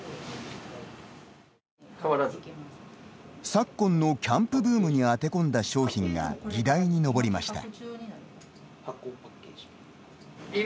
昨今のキャンプブームに当て込んだ商品が議題に上りました。